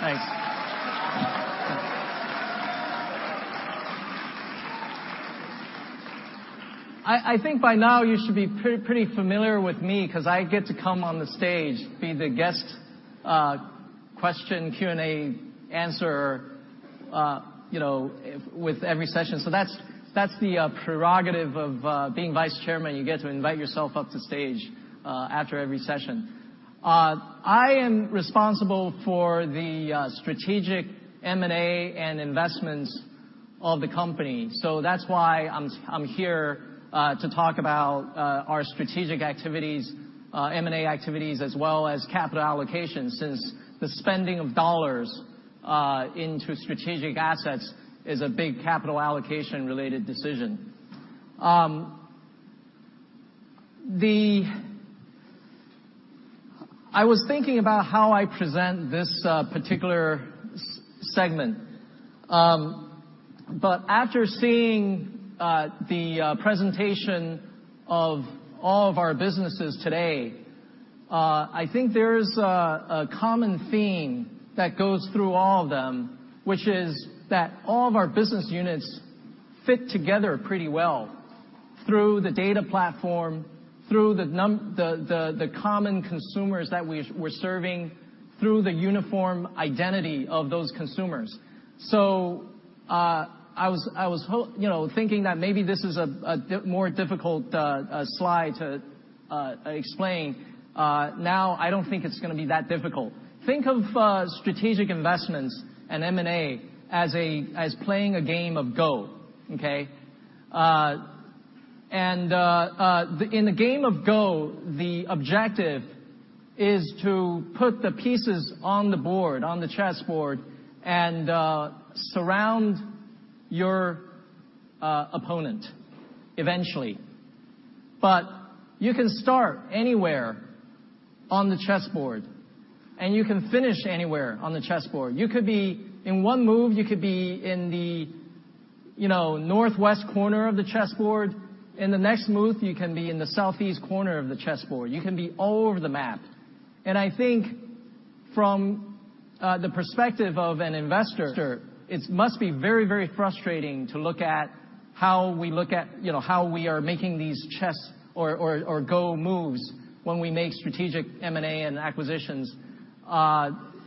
Thanks. I think by now you should be pretty familiar with me 'cause I get to come on the stage, be the guest, question Q&A answer, you know, with every session. That's the prerogative of being Vice Chairman. You get to invite yourself up to stage after every session. I am responsible for the strategic M&A and investments of the company. That's why I'm here to talk about our strategic activities, M&A activities, as well as capital allocation, since the spending of dollars into strategic assets is a big capital allocation-related decision. I was thinking about how I present this particular segment. After seeing the presentation of all of our businesses today, I think there is a common theme that goes through all of them, which is that all of our business units fit together pretty well through the data platform, through the common consumers that we're serving, through the uniform identity of those consumers. I was you know thinking that maybe this is a more difficult slide to explain. Now I don't think it's gonna be that difficult. Think of strategic investments and M&A as playing a game of Go. Okay? In the game of Go, the objective is to put the pieces on the board, on the chessboard, and surround your opponent eventually. You can start anywhere on the chessboard, and you can finish anywhere on the chessboard. In one move, you could be in the, you know, northwest corner of the chessboard. In the next move, you can be in the southeast corner of the chessboard. You can be all over the map. I think from the perspective of an investor, it must be very, very frustrating to look at how we look at, you know, how we are making these chess or Go moves when we make strategic M&A and acquisitions.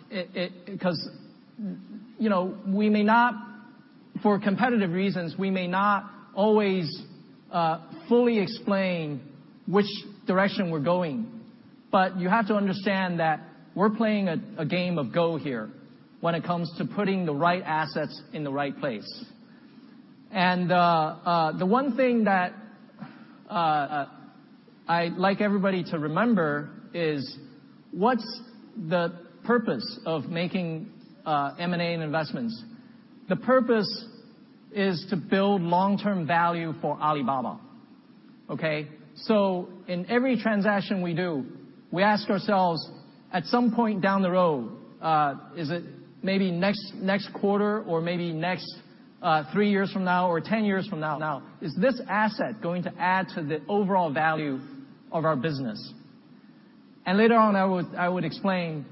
It 'cause, you know, we may not for competitive reasons, we may not always fully explain which direction we're going. You have to understand that we're playing a game of Go here when it comes to putting the right assets in the right place. The one thing that I'd like everybody to remember is what's the purpose of making M&A and investments? The purpose is to build long-term value for Alibaba. Okay? In every transaction we do, we ask ourselves, at some point down the road, is it maybe next quarter or maybe next three years from now or 10 years from now, is this asset going to add to the overall value of our business? Later on, I would explain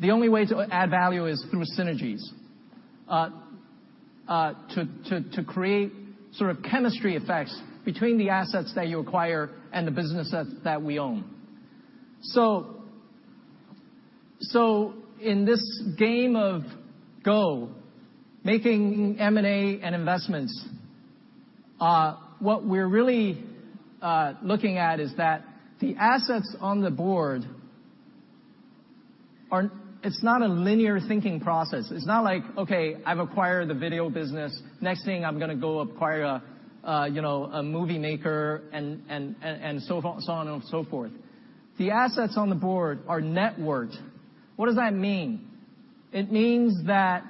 the only way to add value is through synergies to create sort of chemistry effects between the assets that you acquire and the business that we own. In this game of Go, making M&A and investments, what we're really looking at is that the assets on the board are. It's not a linear thinking process. It's not like, Okay, I've acquired the video business. Next thing I'm going to go acquire, you know, a movie maker, and so on and so forth. The assets on the board are networked. What does that mean? It means that,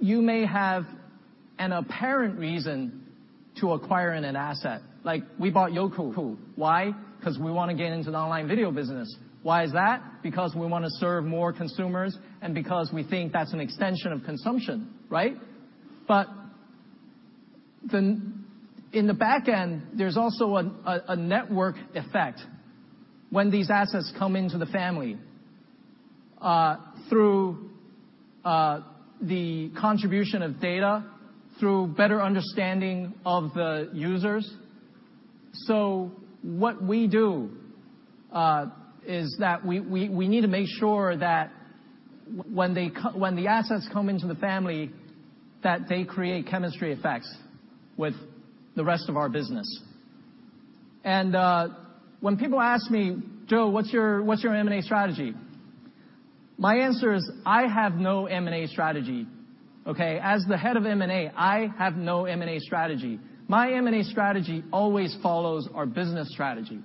you may have an apparent reason to acquiring an asset. Like, we bought Youku. Why? Because we want to get into the online video business. Why is that? Because we want to serve more consumers, and because we think that's an extension of consumption, right? In the back end, there's also a network effect when these assets come into the family, through the contribution of data, through better understanding of the users. What we do is that we need to make sure that when the assets come into the family, that they create chemistry effects with the rest of our business. When people ask me, Joe, what's your M&A strategy? My answer is, I have no M&A strategy. Okay? As the head of M&A, I have no M&A strategy. My M&A strategy always follows our business strategy.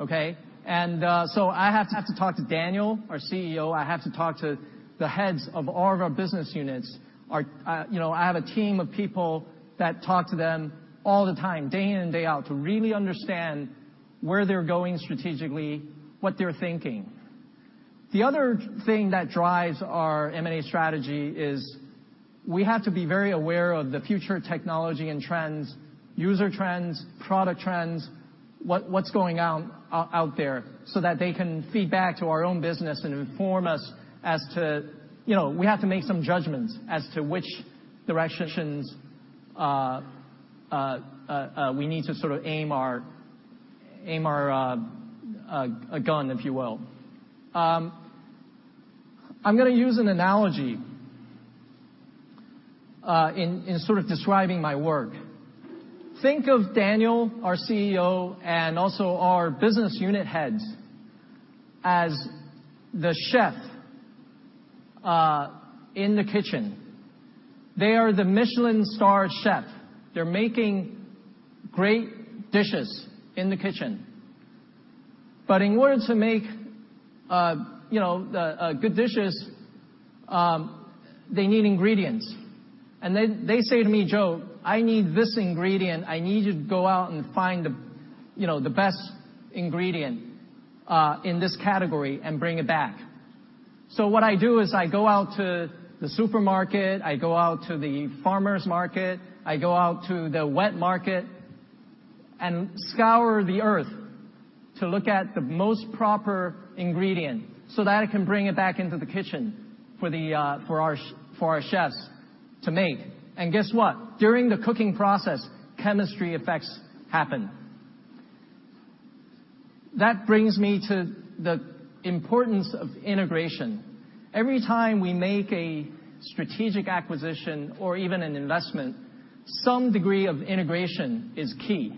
Okay? I have to talk to Daniel, our CEO. I have to talk to the heads of all of our business units. Our, you know, I have a team of people that talk to them all the time, day in and day out, to really understand where they're going strategically, what they're thinking. The other thing that drives our M&A strategy is we have to be very aware of the future technology and trends, user trends, product trends, what's going on out there, so that they can feed back to our own business and inform us as to, you know, we have to make some judgments as to which directions we need to sort of aim our gun, if you will. I'm gonna use an analogy in sort of describing my work. Think of Daniel, our CEO, and also our business unit heads as the chef in the kitchen. They are the Michelin-starred chef. They're making great dishes in the kitchen. In order to make, you know, a good dishes, they need ingredients. They say to me, Joe, I need this ingredient. I need you to go out and find the, you know, the best ingredient in this category and bring it back. What I do is I go out to the supermarket, I go out to the farmers market, I go out to the wet market and scour the Earth to look at the most proper ingredient so that I can bring it back into the kitchen for our chefs to make. Guess what? During the cooking process, chemistry effects happen. That brings me to the importance of integration. Every time we make a strategic acquisition or even an investment, some degree of integration is key.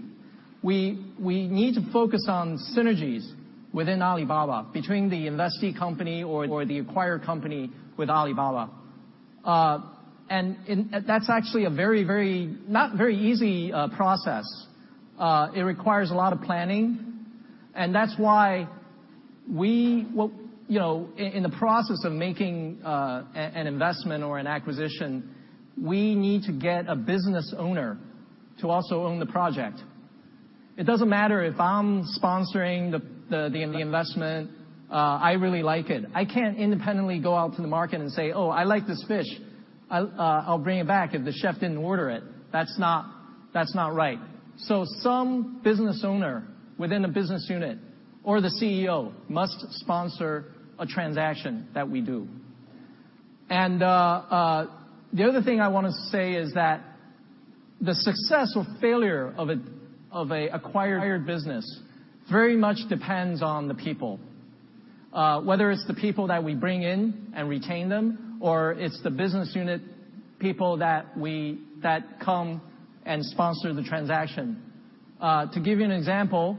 We need to focus on synergies within Alibaba, between the investee company or the acquired company with Alibaba. That's actually a very not very easy process. It requires a lot of planning. That's why we, well, you know, in the process of making an investment or an acquisition, we need to get a business owner to also own the project. It doesn't matter if I'm sponsoring the investment. I really like it. I can't independently go out to the market and say, Oh, I like this fish. I'll bring it back, if the chef didn't order it. That's not right. Some business owner within a business unit or the CEO must sponsor a transaction that we do. The other thing I wanna say is that the success or failure of a acquired business very much depends on the people. Whether it's the people that we bring in and retain them, or it's the business unit people that come and sponsor the transaction. To give you an example,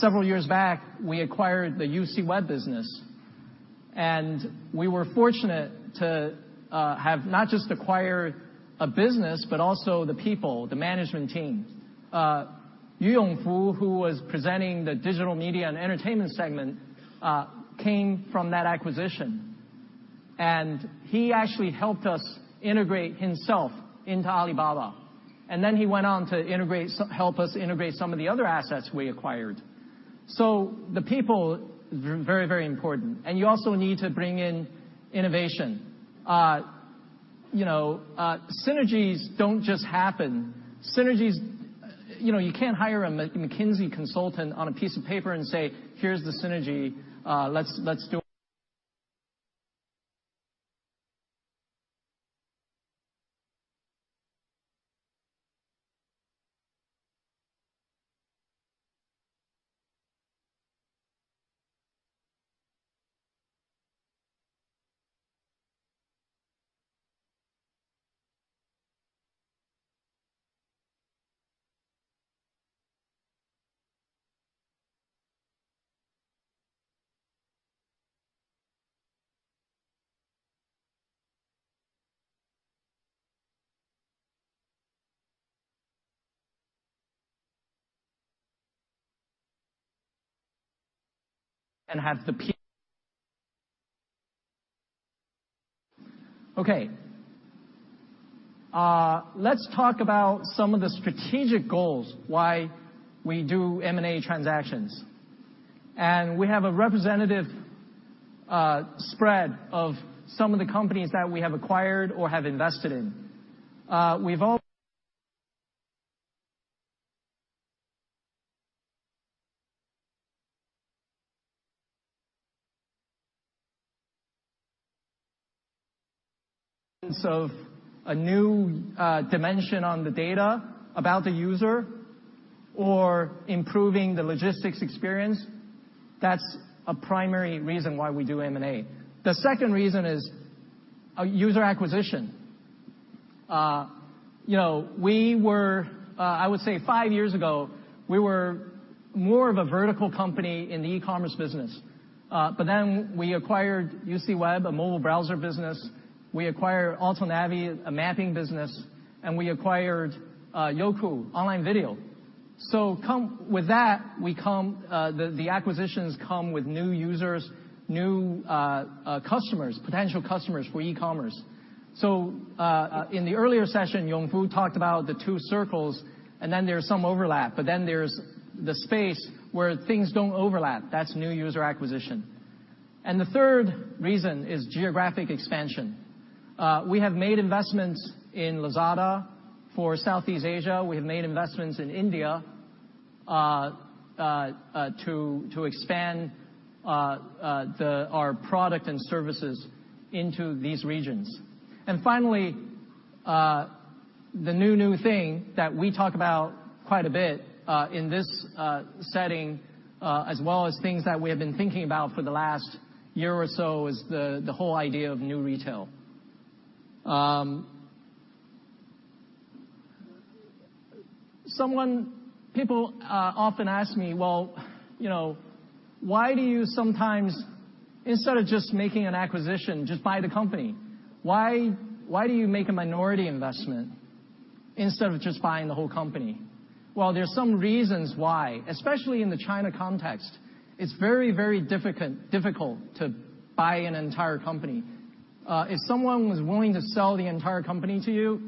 several years back, we acquired the UCWeb business. We were fortunate to have not just acquired a business, but also the people, the management team. Yu Yongfu, who was presenting the Digital Media and Entertainment segment, came from that acquisition. He actually helped us integrate himself into Alibaba. He went on to help us integrate some of the other assets we acquired. The people, very important. You also need to bring in innovation. You know, synergies don't just happen. Synergies, you know, you can't hire a McKinsey consultant on a piece of paper and say, here's the synergy. Let's do it. Okay. Let's talk about some of the strategic goals why we do M&A transactions. We have a representative spread of some of the companies that we have acquired or have invested in. A new dimension on the data about the user or improving the logistics experience, that's a primary reason why we do M&A. The second reason is user acquisition. You know, I would say five years ago, we were more of a vertical company in the e-commerce business. We acquired UCWeb, a mobile browser business. We acquired AutoNavi, a mapping business, and we acquired Youku, online video. With that, the acquisitions come with new users, new customers, potential customers for e-commerce. In the earlier session, Yongfu talked about the two circles, there's some overlap. There's the space where things don't overlap. That's new user acquisition. The third reason is geographic expansion. We have made investments in Lazada for Southeast Asia. We have made investments in India to expand our product and services into these regions. Finally, the new thing that we talk about quite a bit in this setting, as well as things that we have been thinking about for the last year or so is the whole idea of New Retail. People often ask me, well, you know, why do you sometimes, instead of just making an acquisition, just buy the company? Why do you make a minority investment instead of just buying the whole company? Well, there's some reasons why, especially in the China context. It's very, very difficult to buy an entire company. If someone was willing to sell the entire company to you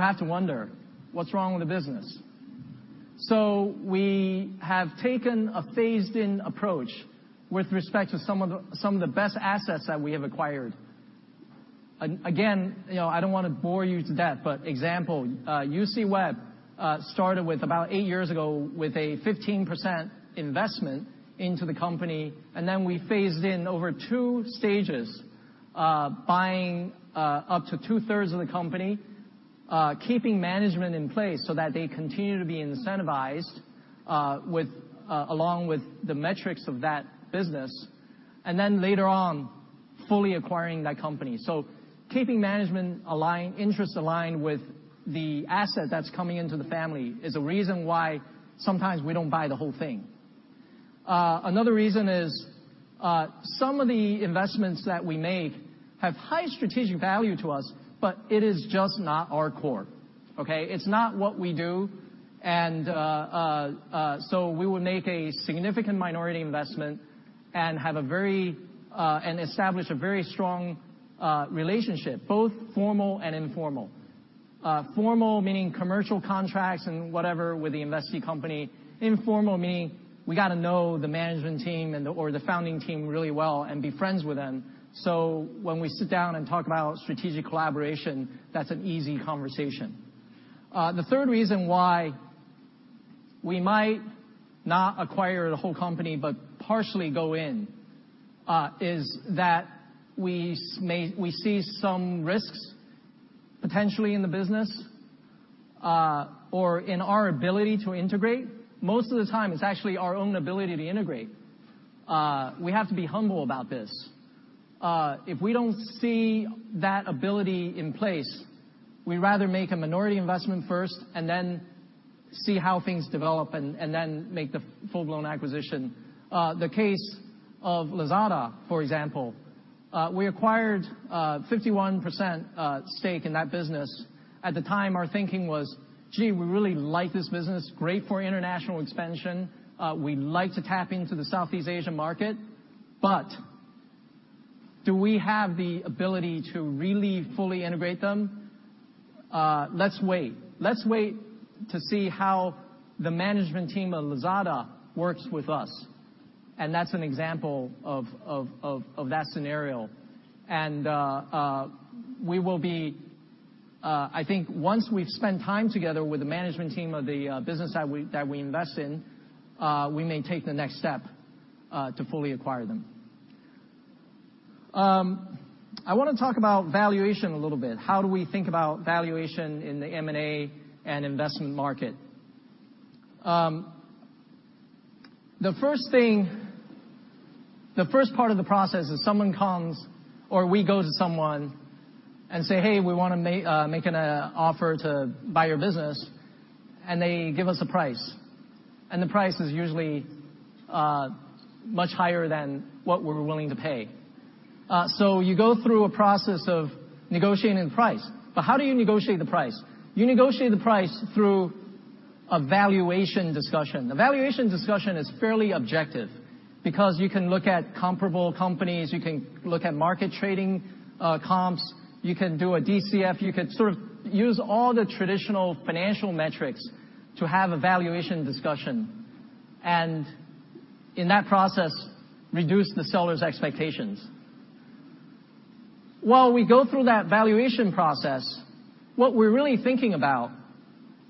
have to wonder, what's wrong with the business? We have taken a phased-in approach with respect to some of the, some of the best assets that we have acquired. Again, you know, I don't wanna bore you to death, but example, UCWeb started with about eight years ago with a 15% investment into the company, and then we phased in over two stages, buying up to two-thirds of the company, keeping management in place so that they continue to be incentivized with along with the metrics of that business. Later on, fully acquiring that company. Keeping management aligned, interest aligned with the asset that's coming into the family is the reason why sometimes we don't buy the whole thing. Another reason is some of the investments that we make have high strategic value to us, but it is just not our core. Okay. It's not what we do. We will make a significant minority investment and have a very and establish a very strong relationship, both formal and informal. Formal meaning commercial contracts and whatever with the investee company. Informal meaning we gotta know the management team or the founding team really well and be friends with them. When we sit down and talk about strategic collaboration, that's an easy conversation. The third reason why we might not acquire the whole company but partially go in is that we see some risks potentially in the business or in our ability to integrate. Most of the time it's actually our own ability to integrate. We have to be humble about this. If we don't see that ability in place, we'd rather make a minority investment first and then see how things develop and then make the full-blown acquisition. The case of Lazada, for example. We acquired 51% stake in that business. At the time, our thinking was, Gee, we really like this business. Great for international expansion. We'd like to tap into the Southeast Asian market. Do we have the ability to really fully integrate them? Let's wait. Let's wait to see how the management team of Lazada works with us. That's an example of that scenario. We will be, I think once we've spent time together with the management team of the business that we invest in, we may take the next step to fully acquire them. I wanna talk about valuation a little bit. How do we think about valuation in the M&A and investment market? The first part of the process is someone comes, or we go to someone and say, hey, we wanna making a offer to buy your business, and they give us a price. The price is usually much higher than what we're willing to pay. You go through a process of negotiating the price. How do you negotiate the price? You negotiate the price through a valuation discussion. A valuation discussion is fairly objective because you can look at comparable companies, you can look at market trading, comps, you can do a DCF, you can sort of use all the traditional financial metrics to have a valuation discussion, and in that process, reduce the seller's expectations. While we go through that valuation process, what we're really thinking about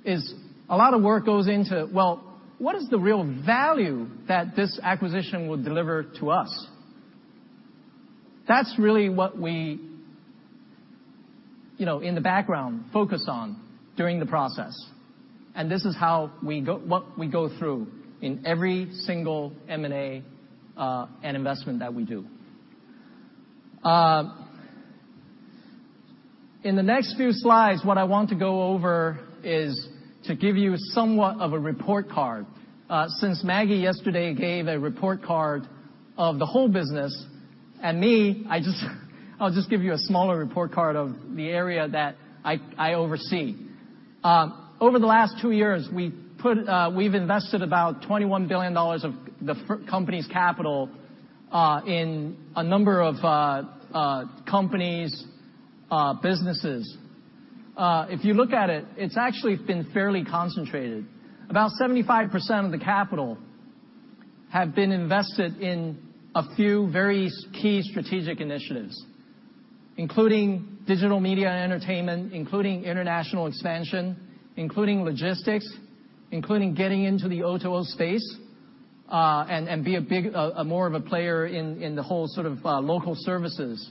is a lot of work goes into, well, what is the real value that this acquisition will deliver to us? That's really what we, you know, in the background, focus on during the process. This is what we go through in every single M&A and investment that we do. In the next few slides, what I want to go over is to give you somewhat of a report card. Since Maggie yesterday gave a report card of the whole business, and me, I'll just give you a smaller report card of the area that I oversee. Over the last two years, we've invested about $21 billion of the company's capital, in a number of companies, businesses. If you look at it's actually been fairly concentrated. About 75% of the capital have been invested in a few very key strategic initiatives, including digital media and entertainment, including international expansion, including logistics, including getting into the O2O space, and be a more of a player in the whole sort of local services.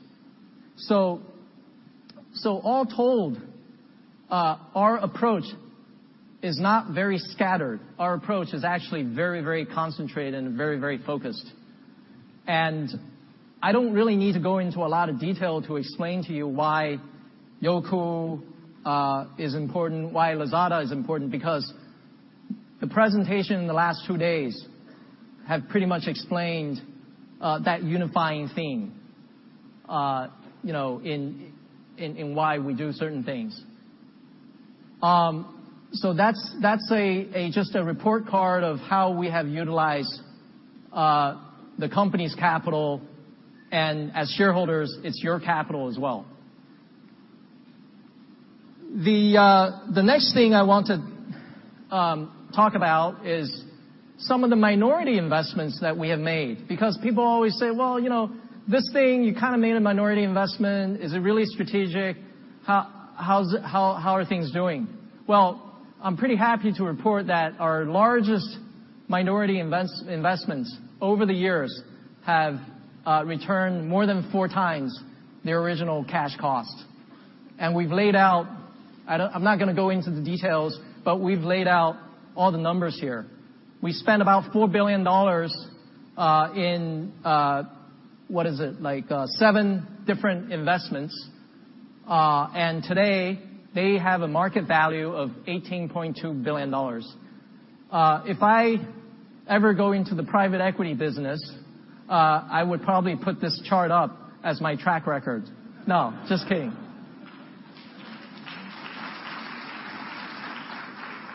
All told, our approach is not very scattered. Our approach is actually very, very concentrated and very, very focused. I don't really need to go into a lot of detail to explain to you why Youku is important, why Lazada is important, because the presentation in the last two days have pretty much explained that unifying theme, you know, why we do certain things. That's just a report card of how we have utilized the company's capital. As shareholders, it's your capital as well. Next thing I want to talk about is some of the minority investments that we have made because people always say, well, you know, this thing, you kind of made a minority investment. Is it really strategic? How are things doing? Well, I'm pretty happy to report that our largest minority investments over the years have returned more than four times the original cash cost. I'm not gonna go into the details, but we've laid out all the numbers here. We spent about $4 billion in, what is it? Like seven different investments. Today they have a market value of $18.2 billion. If I ever go into the private equity business, I would probably put this chart up as my track record. No, just kidding.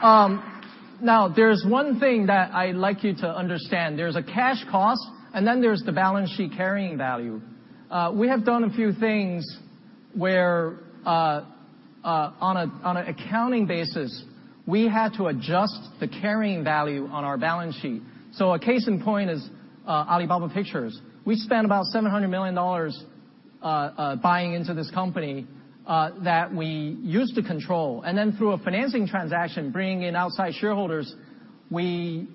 Now there's one thing that I'd like you to understand. There's a cash cost, and then there's the balance sheet carrying value. We have done a few things where, on a, on a accounting basis, we had to adjust the carrying value on our balance sheet. A case in point is Alibaba Pictures. We spent about $700 million buying into this company that we used to control. Through a financing transaction, bringing in outside shareholders, we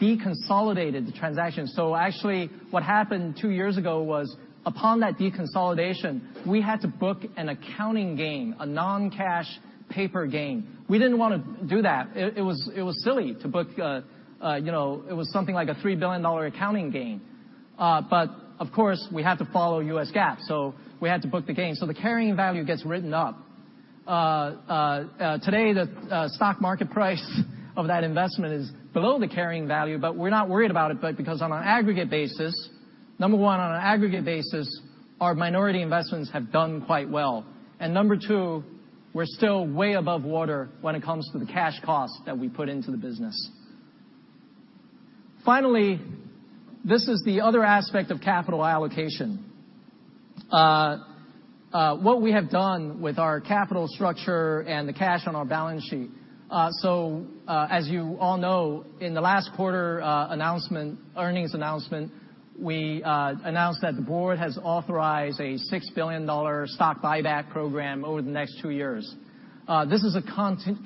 deconsolidated the transaction. Actually, what happened two years ago was, upon that deconsolidation, we had to book an accounting gain, a non-cash paper gain. We didn't wanna do that. It was silly to book, You know, it was something like a $3 billion accounting gain. Of course, we have to follow U.S. GAAP, we had to book the gain. The carrying value gets written up. Today the stock market price of that investment is below the carrying value, but we're not worried about it because on an aggregate basis, number one, our minority investments have done quite well. Number two, we're still way above water when it comes to the cash cost that we put into the business. Finally, this is the other aspect of capital allocation. What we have done with our capital structure and the cash on our balance sheet. As you all know, in the last quarter earnings announcement, we announced that the board has authorized a $6 billion stock buyback program over the next two years. This is a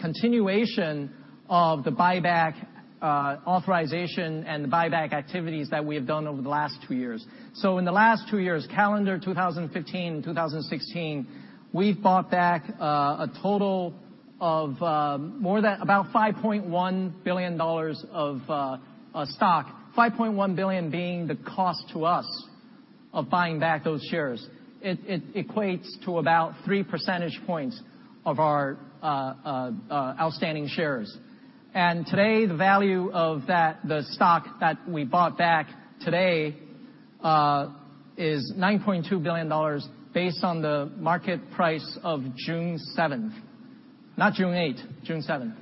continuation of the buyback authorization and the buyback activities that we have done over the last two years. In the last two years, calendar 2015, 2016, we've bought back a total of more than about $5.1 billion of stock. $5.1 billion being the cost to us of buying back those shares. It equates to about 3 percentage points of our outstanding shares. Today, the value of that, the stock that we bought back today, is $9.2 billion based on the market price of June 7th. Not June 8th, June 7th.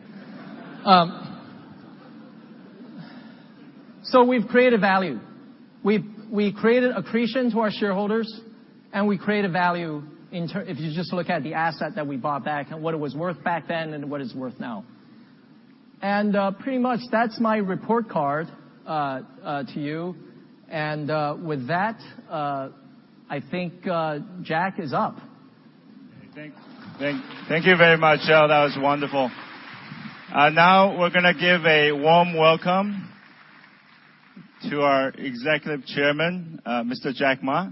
We've created value. We created accretion to our shareholders, and we created value if you just look at the asset that we bought back and what it was worth back then and what it's worth now. Pretty much that's my report card to you. With that, I think Jack is up. Thank you very much. That was wonderful. Now we're going to give a warm welcome to our Executive Chairman, Mr. Jack Ma.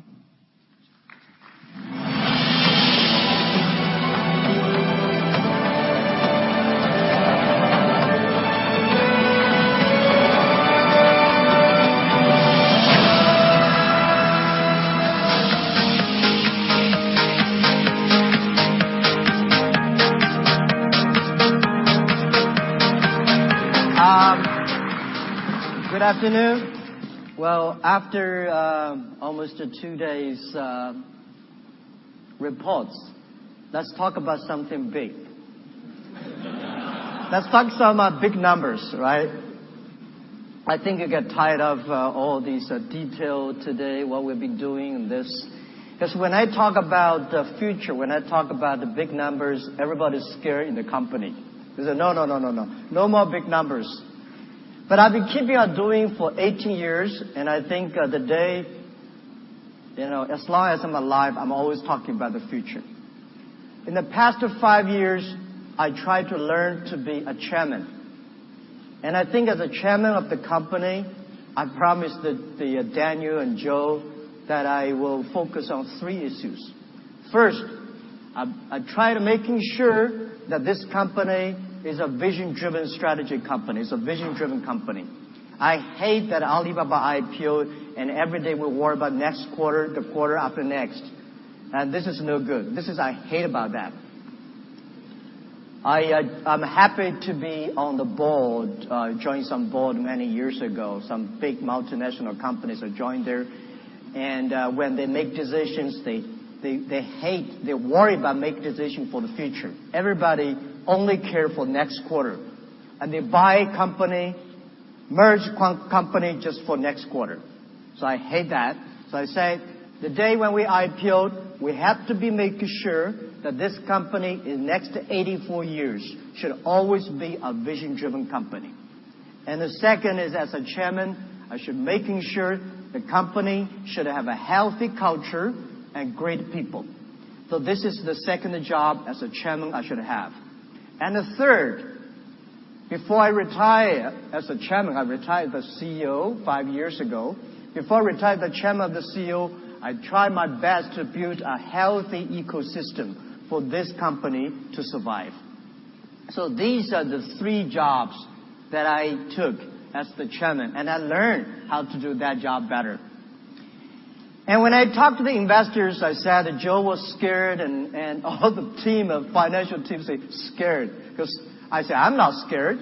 Good afternoon. Well, after almost two days reports, let's talk about something big. Let's talk some big numbers, right? I think you get tired of all these details today, what we've been doing and this. Because when I talk about the future, when I talk about the big numbers, everybody's scared in the company. They say, No, no, no. No more big numbers. I've been keeping on doing for 18 years, and I think the day, you know, as long as I'm alive, I'm always talking about the future. In the past, five years, I tried to learn to be a chairman. I think as a chairman of the company, I promised Daniel and Joe that I will focus on three issues. First, I try to making sure that this company is a vision-driven strategy company. It's a vision-driven company. I hate that Alibaba IPO. Every day we worry about next quarter, the quarter after next. This is no good. This is I hate about that. I'm happy to be on the board, joined some board many years ago. Some big multinational companies, I joined there. When they make decisions, they hate, they worry about make decision for the future. Everybody only care for next quarter, they buy company, merge company just for next quarter. I hate that. I say, the day when we IPO'd, we have to be making sure that this company, in next to 84 years, should always be a vision-driven company. The second is, as a chairman, I should making sure the company should have a healthy culture and great people. This is the second job as a chairman I should have. The third, before I retire as the chairman, I retired the CEO five years ago. Before I retire the chairman, the CEO, I try my best to build a healthy ecosystem for this company to survive. These are the three jobs that I took as the chairman, and I learned how to do that job better. When I talked to the investors, I said that Joe was scared and all the team of financial teams, they scared. Because I say, I'm not scared.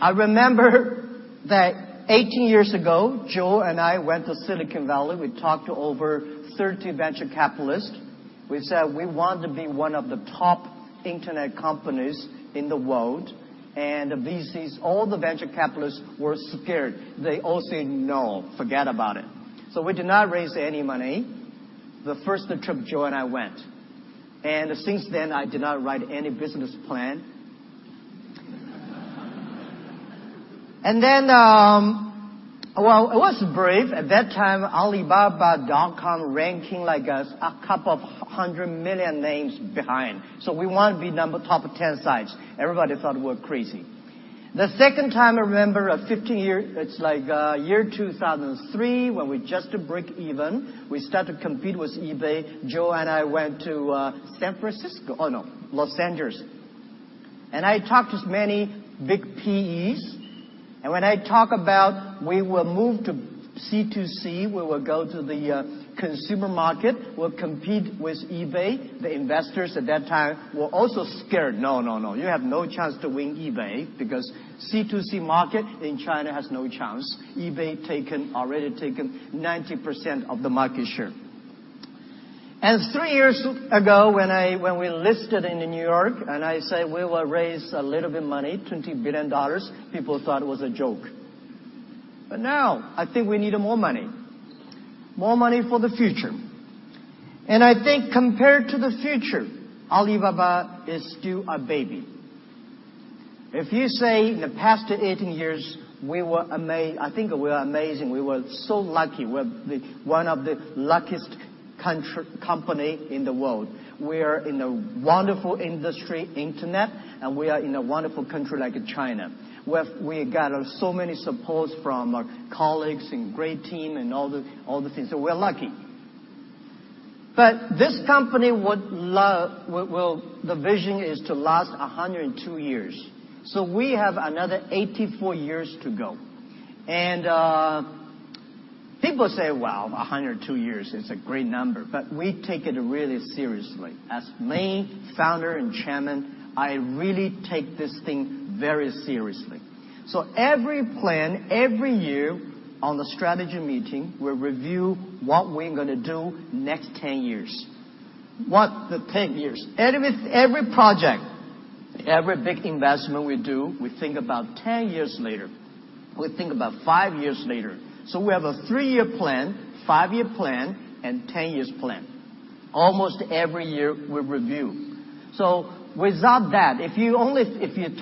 I remember that 18 years ago, Joe and I went to Silicon Valley. We talked to over 30 venture capitalists. We said we want to be one of the top internet companies in the world. VCs, all the venture capitalists were scared. They all say, no. Forget about it. We did not raise any money the first trip Joe and I went. Since then, I did not write any business plan. Well, it was brave. At that time, Alibaba.com ranking like a couple of hundred million names behind. We want to be number top 10 sites. Everybody thought we were crazy. The second time I remember, 15 year It's like year 2003, when we just break even. We start to compete with eBay. Joe and I went to San Francisco. Oh, no, Los Angeles. I talked to many big PEs, and when I talk about we will move to C2C, we will go to the consumer market, we'll compete with eBay, the investors at that time were also scared. No, no, you have no chance to win eBay because C2C market in China has no chance. eBay already taken 90% of the market share. Three years ago, when we listed in New York, I say we will raise a little bit money, $20 billion, people thought it was a joke. Now, I think we need more money. More money for the future. I think compared to the future, Alibaba is still a baby. If you say in the past, 18 years, we were amazing. I think we are amazing. We were so lucky. We're one of the luckiest company in the world. We're in a wonderful industry, internet. We are in a wonderful country like China. We got so many supports from our colleagues and great team and all the things. We're lucky. This company would love The vision is to last 102 years, so we have another 84 years to go. People say, well, 102 years is a great number, but we take it really seriously. As me, founder and chairman, I really take this thing very seriously. Every plan, every year, on the strategy meeting, we review what we're gonna do next 10 years. What the 10 years. Every project, every big investment we do, we think about 10 years later. We think about five years later. We have a three-year plan, five-year plan, and 10-year plan. Almost every year, we review. Without that, if you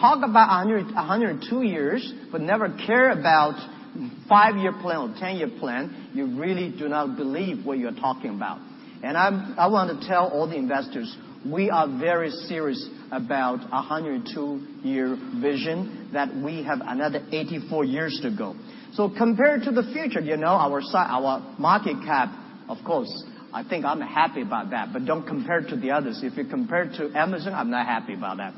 talk about 100, 102 years, but never care about five-year plan or 10-year plan, you really do not believe what you're talking about. I want to tell all the investors, we are very serious about 102-year vision, that we have another 84 years to go. Compared to the future, you know, our market cap, of course, I think I'm happy about that, but don't compare to the others. If you compare to Amazon, I'm not happy about that.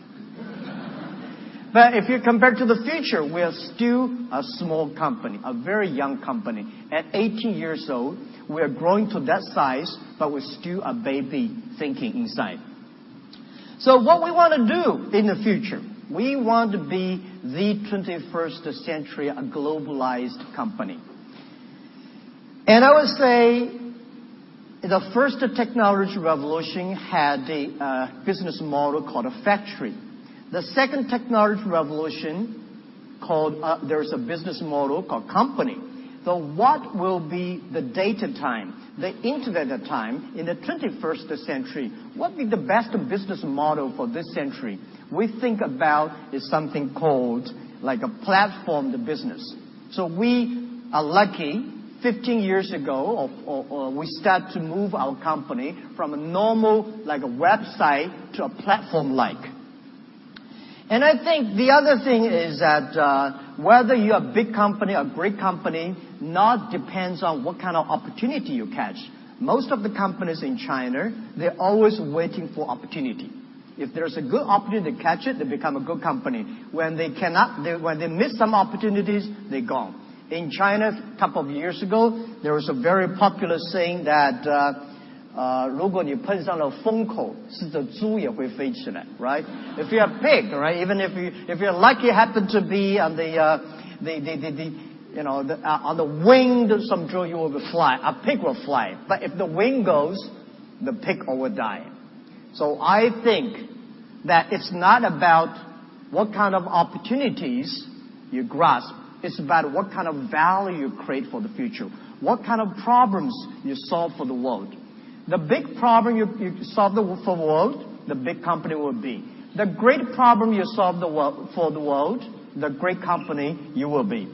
If you compare to the future, we are still a small company, a very young company. At 18 years old, we are growing to that size, but we're still a baby, thinking inside. What we wanna do in the future? We want to be the 21st century, a globalized company. I would say the first technology revolution had the business model called a factory. The second technology revolution called, there's a business model called company. What will be the data time, the internet time, in the 21st century? What will be the best business model for this century? We think about is something called a platform business. We are lucky, 15 years ago, or we start to move our company from a normal website to a platform-like. I think the other thing is that, whether you're a big company, a great company, not depends on what kind of opportunity you catch. Most of the companies in China, they're always waiting for opportunity. If there's a good opportunity, they catch it, they become a good company. When they cannot, when they miss some opportunities, they're gone. In China, couple of years ago, there was a very popular saying that Right? If you're a pig, right, even if you, if you're lucky, happen to be on the, you know, on the wing of some bird, you will fly. A pig will fly. If the wing goes, the pig will die. I think that it's not about what kind of opportunities you grasp. It's about what kind of value you create for the future, what kind of problems you solve for the world. The big problem you solve for the world, the big company you will be. The great problem you solve for the world, the great company you will be.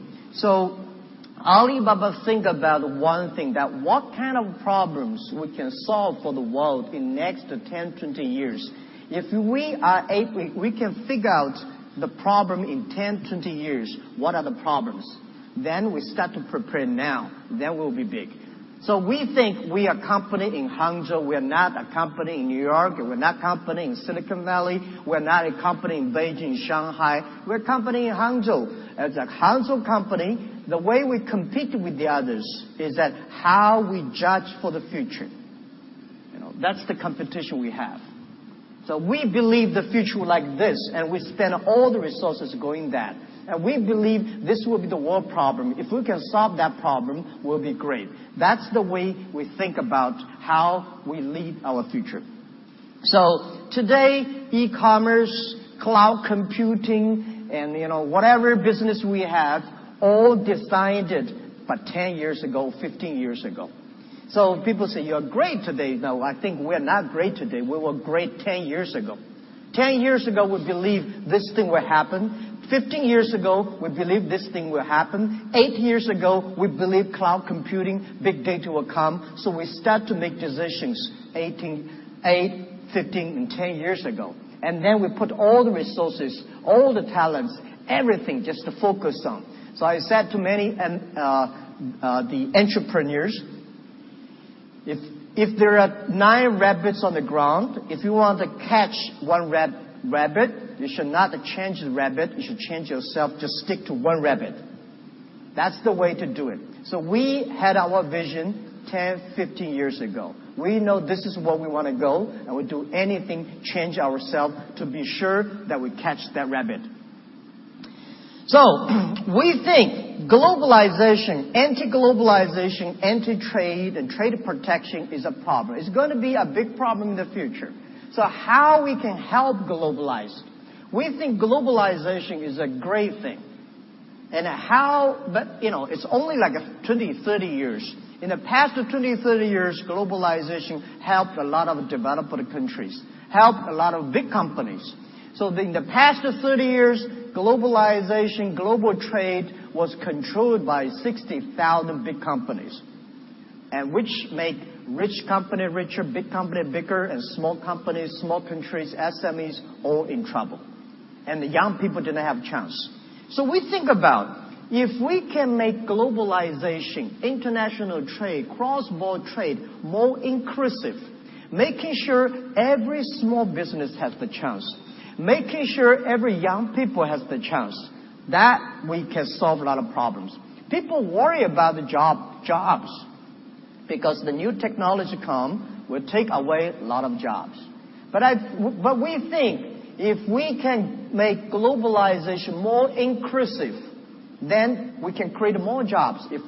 Alibaba think about one thing, that what kind of problems we can solve for the world in next 10, 20 years. If we are able, we can figure out the problem in 10, 20 years, what are the problems, we start to prepare now. We'll be big. We think we are company in Hangzhou. We are not a company in New York, and we're not company in Silicon Valley. We're not a company in Beijing, Shanghai. We're a company in Hangzhou. As a Hangzhou company, the way we compete with the others is that how we judge for the future. You know, that's the competition we have. We believe the future like this, and we spend all the resources going that. We believe this will be the world problem. If we can solve that problem, we'll be great. That's the way we think about how we lead our future. Today, e-commerce, cloud computing, and, you know, whatever business we have, all decided by 10 years ago, 15 years ago. People say you're great today. No, I think we're not great today. We were great 10 years ago. 10 years ago, we believe this thing will happen. 15 years ago, we believe this thing will happen. Eight years ago, we believe cloud computing, big data will come, we start to make decisions 18, 8, 15, and 10 years ago. We put all the resources, all the talents, everything, just to focus on. I said to many, the entrepreneurs, if there are nine rabbits on the ground, if you want to catch one rabbit, you should not change the rabbit. You should change yourself. Just stick to one rabbit. That's the way to do it. We had our vision 10, 15 years ago. We know this is where we wanna go, and we do anything, change ourselves, to be sure that we catch that rabbit. We think globalization, anti-globalization, anti-trade, and trade protection is a problem. It's gonna be a big problem in the future. How we can help globalize? We think globalization is a great thing. You know, it's only, like, 20, 30 years. In the past 20, 30 years, globalization helped a lot of developing countries, helped a lot of big companies. In the past 30 years, globalization, global trade was controlled by 60,000 big companies, and which make rich company richer, big company bigger, and small companies, small countries, SMEs, all in trouble. The young people didn't have a chance. We think about, if we can make globalization, international trade, cross-border trade more inclusive, making sure every small business has the chance, making sure every young people has the chance, that we can solve a lot of problems. People worry about jobs because the new technology come will take away a lot of jobs. We think if we can make globalization more inclusive, then we can create more jobs. If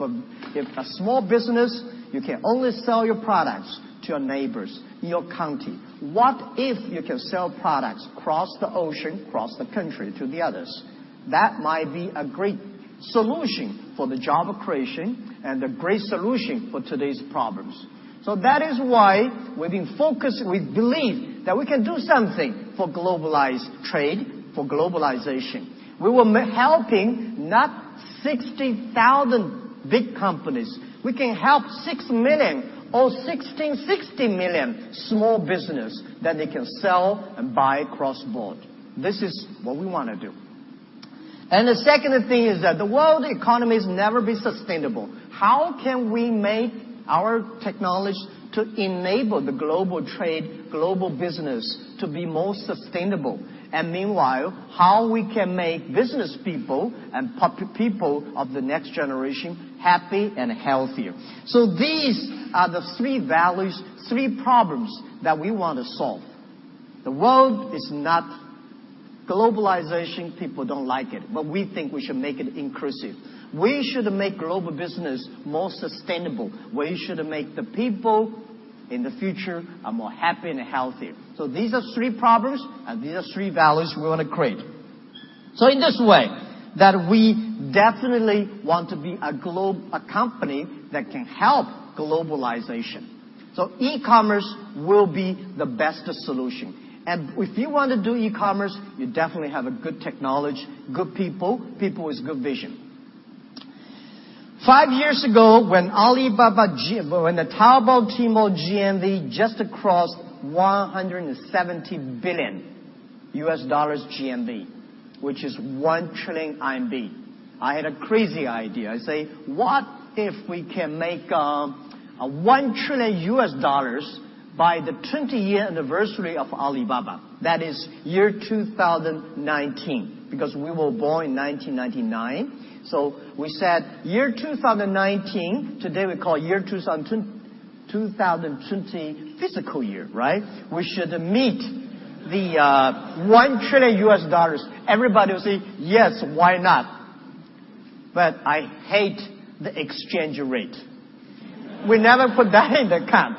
a small business, you can only sell your products to your neighbors in your county. What if you can sell products across the ocean, across the country to the others? That might be a great solution for the job creation and a great solution for today's problems. That is why we've been focused. We believe that we can do something for globalized trade, for globalization. We were helping not 60,000 big companies. We can help 6 million or 60 million small business, that they can sell and buy cross-border. This is what we wanna do. The second thing is that the world economy has never been sustainable. How can we make our technology to enable the global trade, global business to be more sustainable? Meanwhile, how we can make business people and people of the next generation happy and healthier? These are the three values, three problems, that we want to solve. The world is not globalization, people don't like it, but we think we should make it inclusive. We should make global business more sustainable. We should make the people in the future are more happy and healthier. These are three problems, and these are three values we wanna create. In this way, that we definitely want to be a company that can help globalization. E-commerce will be the best solution. If you want to do e-commerce, you definitely have a good technology, good people with good vision. Five years ago, when Alibaba, when the Taobao Tmall GMV just crossed $170 billion GMV, which is 1 trillion. I had a crazy idea. I say, what if we can make a $1 trillion by the 20-year anniversary of Alibaba? That is year 2019, because we were born in 1999. We said year 2019, today we call year 2020 fiscal year, right? We should meet the $1 trillion. Everybody will say, yes, why not? I hate the exchange rate. We never put that in the count.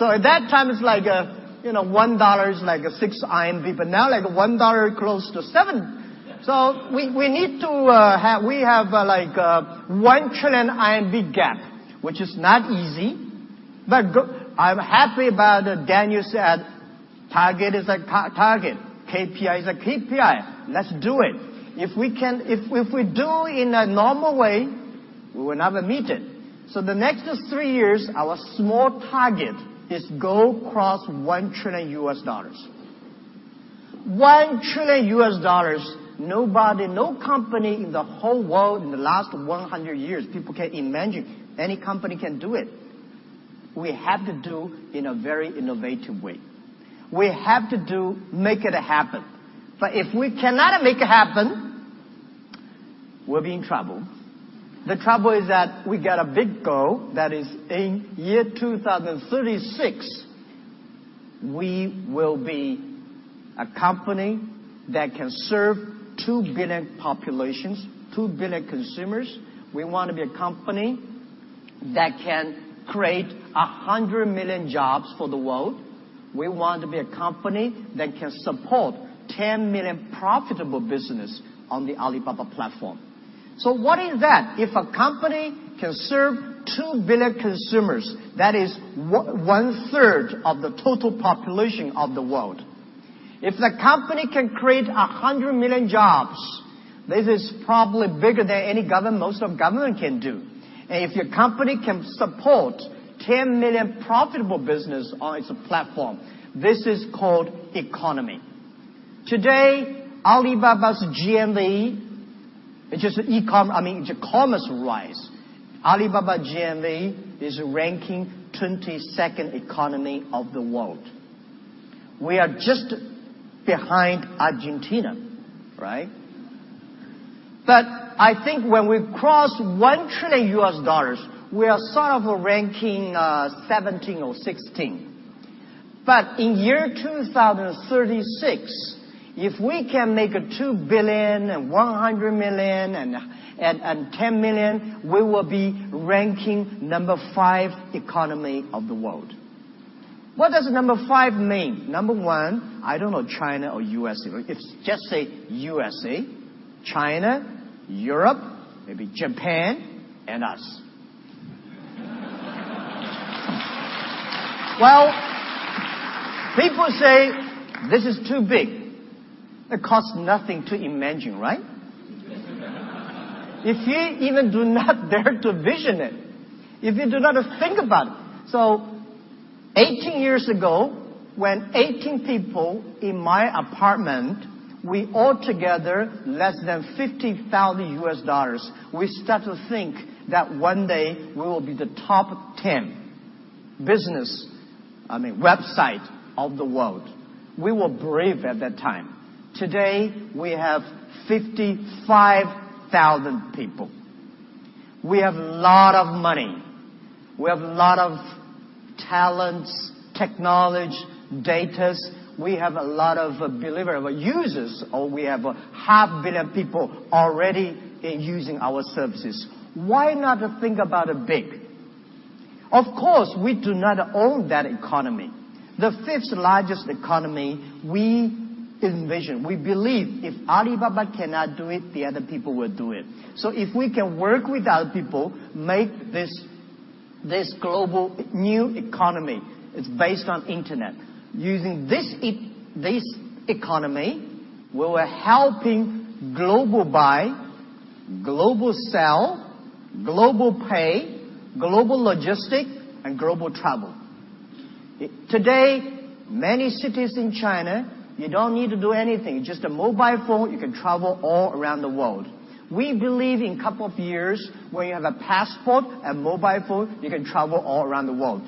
At that time, it's like, you know, $1 is like 6, but now, like, $1 close to $7. We have 1 trillion gap, which is not easy. I'm happy about Daniel said, target is a target. KPI is a KPI. Let's do it. If we can, if we do in a normal way, we will never meet it. The next three years, our small target is go cross $1 trillion. $1 trillion, nobody, no company in the whole world in the last 100 years, people can't imagine any company can do it. We have to do in a very innovative way. We have to do, make it happen. If we cannot make it happen, we'll be in trouble. The trouble is that we got a big goal, that is in year 2036, we will be a company that can serve 2 billion populations, 2 billion consumers. We want to be a company that can create 100 million jobs for the world. We want to be a company that can support 10 million profitable business on the Alibaba platform. What is that? If a company can serve 2 billion consumers, that is one-third of the total population of the world. If the company can create 100 million jobs, this is probably bigger than any most of government can do. If your company can support 10 million profitable business on its platform, this is called economy. Today, Alibaba's GMV, which is I mean, commerce size. Alibaba GMV is ranking 22nd economy of the world. We are just behind Argentina, right? I think when we cross $1 trillion, we are sort of ranking 17 or 16. In year 2036, if we can make $2.11 billion, we will be ranking number 5 economy of the world. What does number 5 mean? Number one, I don't know China or U.S. If just say U.S.A., China, Europe, maybe Japan, and us. Well, people say this is too big. It costs nothing to imagine, right? If you even do not dare to vision it, if you do not think about it. 18 years ago, when 18 people in my apartment, we altogether less than $50,000, we start to think that one day we will be the top 10 business, I mean, website of the world. We were brave at that time. Today, we have 55,000 people. We have a lot of money. We have a lot of talents, technology, data. We have a lot of believers, users, or we have a half billion people already using our services. Why not think about it big? Of course, we do not own that economy. The fifth-largest economy, we envision. We believe if Alibaba cannot do it, the other people will do it. If we can work with other people, make this global new economy, it's based on internet. Using this economy, we were helping global buy, global sell, global pay, global logistics, and global travel. Today, many cities in China, you don't need to do anything. Just a mobile phone, you can travel all around the world. We believe in couple of years, when you have a passport and mobile phone, you can travel all around the world.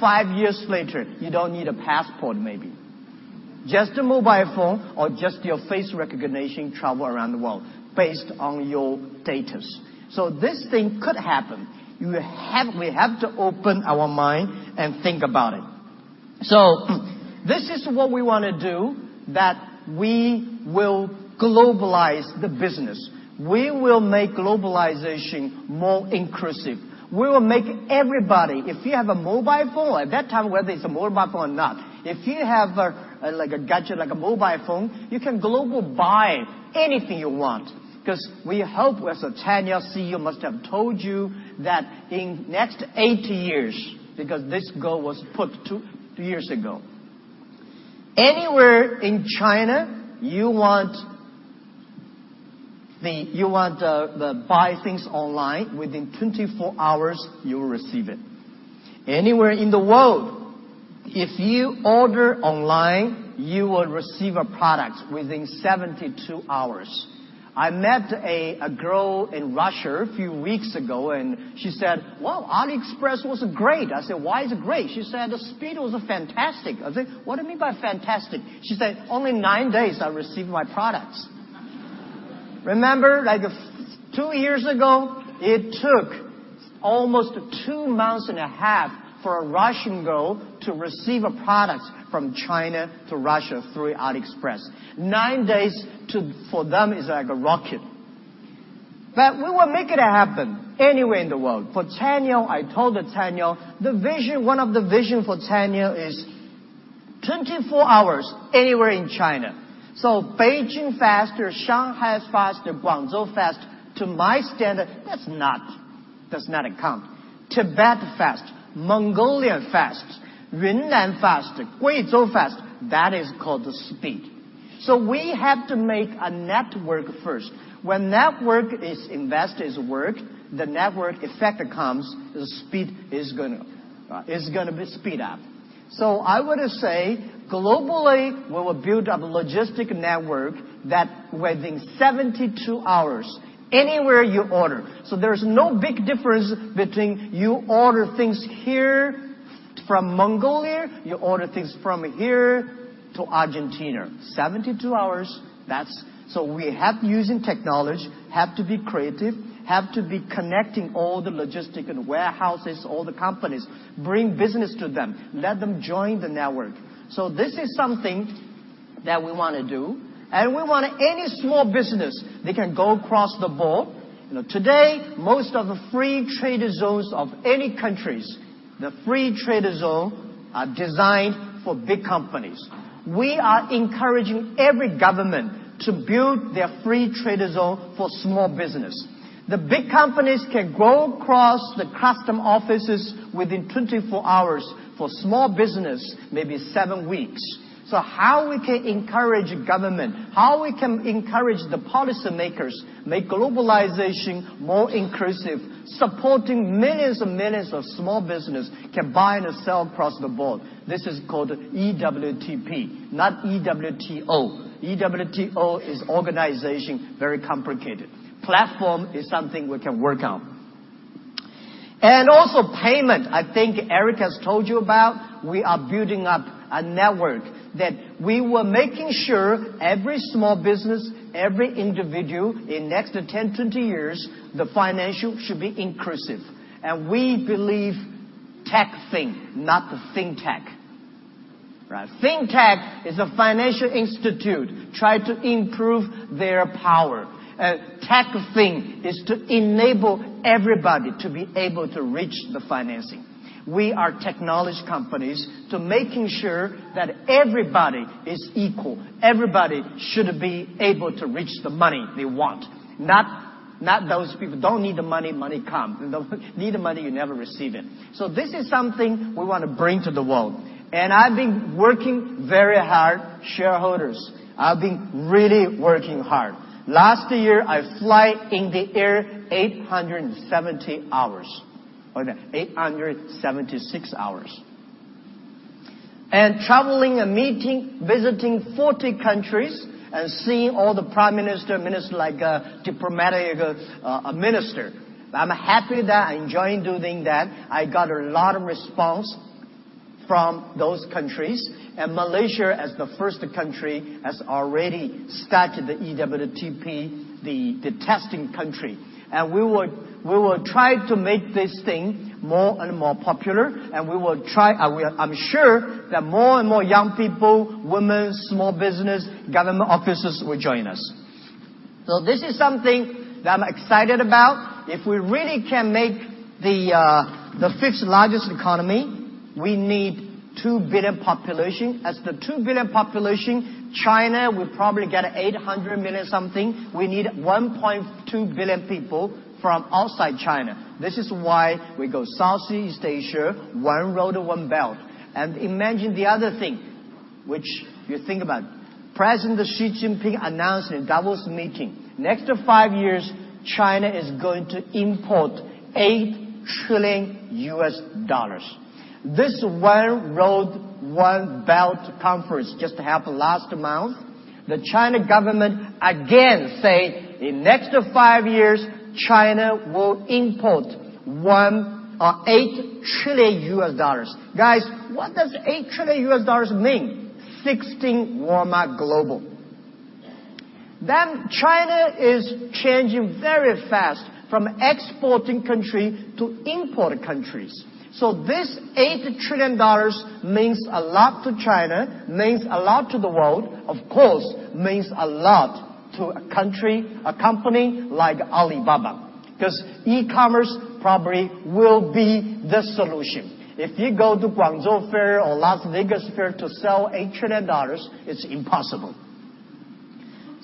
Five years later, you don't need a passport, maybe. Just a mobile phone or just your face recognition. Travel around the world based on your data. This thing could happen. We have to open our mind and think about it. This is what we wanna do, that we will globalize the business. We will make globalization more inclusive. We will make everybody If you have a mobile phone, at that time, whether it's a mobile phone or not, if you have a, like a gadget, like a mobile phone, you can global buy anything you want. 'Cause we hope, as Daniel see, must have told you that in next eight years, because this goal was put two years ago, anywhere in China, you want the buy things online, within 24 hours you will receive it. Anywhere in the world, if you order online, you will receive a product within 72 hours. I met a girl in Russia a few weeks ago. She said, Wow, AliExpress was great. I said, why is it great? She said, the speed was fantastic. I said, what do you mean by fantastic? She said, only nine days I received my products. Remember, like two years ago, it took almost two months and a half for a Russian girl to receive a product from China to Russia through AliExpress. Nine days for them is like a rocket. We will make it happen anywhere in the world. For Daniel, I told Daniel, the vision, one of the vision for Daniel is 24 hours anywhere in China. Beijing faster, Shanghai faster, Guangzhou faster. To my standard, that's not count. Tibet faster, Mongolia faster, Yunnan faster, Guizhou faster. That is called speed. We have to make a network first. When network is invest is work, the network effect comes, the speed is gonna be speed up. I would say, globally we will build up logistic network that within 72 hours, anywhere you order. There's no big difference between you order things here from Mongolia, you order things from here to Argentina. 72 hours. We have using technology, have to be creative, have to be connecting all the logistic and warehouses, all the companies, bring business to them, let them join the network. This is something that we wanna do. We want any small business, they can go across the board. You know, today, most of the free trade zone are designed for big companies. We are encouraging every government to build their free trade zone for small business. The big companies can go across the custom offices within 24 hours. For small business, maybe seven weeks. How we can encourage government? How we can encourage the policy makers make globalization more inclusive, supporting millions and millions of small business can buy and sell across the board? This is called EWTP, not EWTO. EWTO is organization, very complicated. Platform is something we can work on. Also payment. I think Eric has told you about, we are building up a network that we were making sure every small business, every individual, in next 10, 20 years, the financial should be inclusive. We believe TechFin, not the FinTech. Right? FinTech is a financial institute, try to improve their power. TechFin is to enable everybody to be able to reach the financing. We are technology companies to making sure that everybody is equal. Everybody should be able to reach the money they want. Not those people, don't need the money come. You don't need the money, you never receive it. This is something we wanna bring to the world. I've been working very hard, shareholders. I've been really working hard. Last year, I fly in the air 870 hours. 876 hours. Traveling and meeting, visiting 40 countries, and seeing all the prime minister, like, diplomatic minister. I'm happy that I enjoying doing that. I got a lot of response from those countries. Malaysia, as the first country, has already started the EWTP, the testing country. We will try to make this thing more and more popular, and we will try, I'm sure that more and more young people, women, small business, government officers will join us. This is something that I'm excited about. If we really can make the fifth largest economy, we need two billion population. As the 2 billion population, China will probably get 800 million something. We need 1.2 billion people from outside China. This is why we go Southeast Asia, One Belt, One Road. Imagine the other thing, which you think about. President Xi Jinping announced in Davos meeting, next five years, China is going to import $8 trillion. This One Belt, One Road conference just happened last month. The China government again said, in next five years, China will import $8 trillion. Guys, what does $8 trillion mean? 16 Walmart global. China is changing very fast from exporting country to import countries. This $8 trillion means a lot to China, means a lot to the world, of course, means a lot to a country, a company like Alibaba. 'Cause eCommerce probably will be the solution. If you go to Canton Fair or Las Vegas Fair to sell $8 trillion, it's impossible.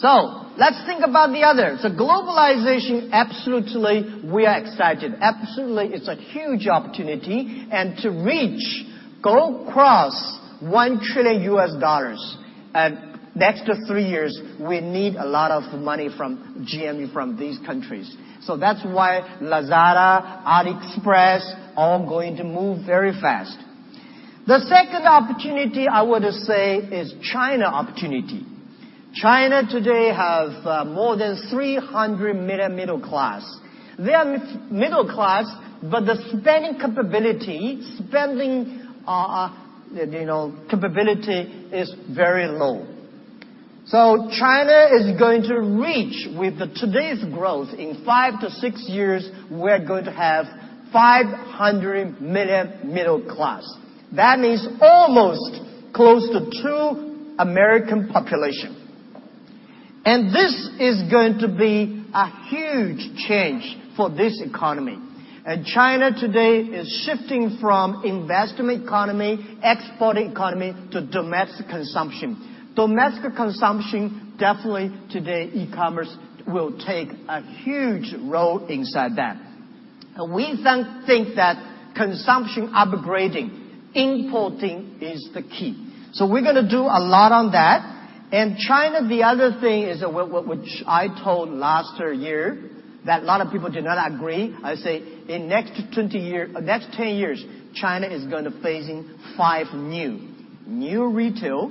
Let's think about the other. The globalization, absolutely we are excited. Absolutely it's a huge opportunity. To reach, go across, $1 trillion next three years, we need a lot of money from GMV from these countries. That's why Lazada, AliExpress, all going to move very fast. The second opportunity I would say is China opportunity. China today have more than 300 million middle class. They are middle class, but the spending capability, spending, you know, capability is very low. China is going to reach, with today's growth, in five to six years, we're going to have 500 million middle class. That means almost close to two American population. This is going to be a huge change for this economy. China today is shifting from investment economy, export economy, to domestic consumption. Domestic consumption, definitely today e-commerce will take a huge role inside that. We think that consumption upgrading, importing is the key. We're gonna do a lot on that. China, the other thing is, which I told last year, that a lot of people did not agree, I say, in next 20 years, next 10 years, China is gonna facing Five New. New Retail,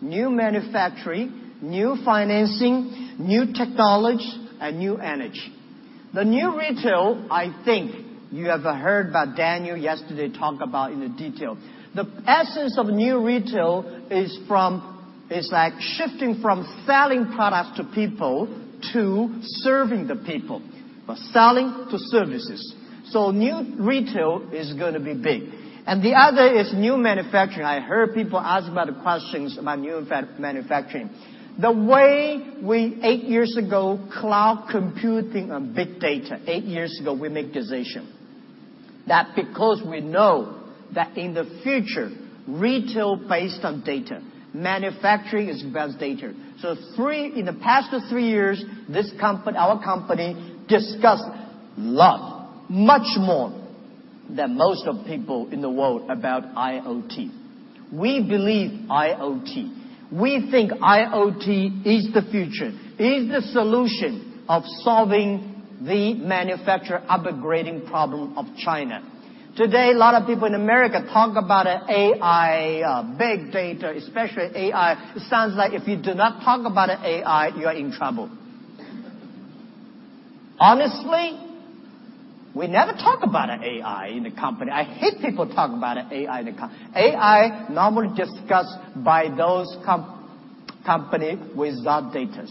New Manufacturing, New Finance, New Technology, and New Energy. The New Retail, I think you have heard by Daniel yesterday talk about in detail. The essence of New Retail is like shifting from selling products to people to serving the people. From selling to services. New Retail is gonna be big. The other is New Manufacturing. I heard people ask about the questions about New Manufacturing. The way we, eight years ago, cloud computing and big data, eight years ago we make decision. That because we know that in the future, retail based on data. Manufacturing is based data. In the past 3 years, our company discussed a lot, much more, than most of people in the world about IoT. We believe IoT. We think IoT is the future, is the solution of solving the manufacturing upgrading problem of China. Today, a lot of people in America talk about AI, big data, especially AI. It sounds like if you do not talk about AI, you are in trouble. Honestly, we never talk about AI in the company. I hate people talk about AI in the company. AI normally discussed by those company without data.